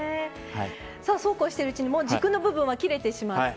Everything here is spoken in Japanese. そうこうしているうちにもう軸の部分は切れてしまって。